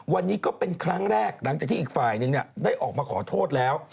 วันนี้ก็เป็นครั้งแรกหลังจากที่อีกฝ่ายนึงได้ออกมาขอโทษแล้ว